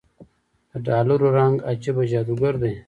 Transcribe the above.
دډالرو رنګ عجيبه جادوګر دی